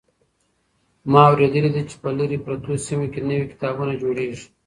ما اورېدلي دي چې په لرې پرتو سیمو کې نوي کتابتونونه جوړېږي.